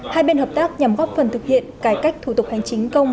hai bên hợp tác nhằm góp phần thực hiện cải cách thủ tục hành chính công